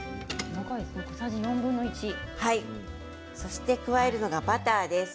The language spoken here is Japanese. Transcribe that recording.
そして加えるのがバターです。